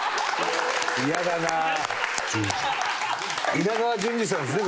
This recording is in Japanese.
稲川淳二さんですね